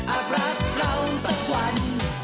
อับรับเราสักวัน